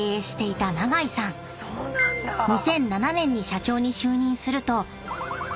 ［２００７年に社長に就任すると］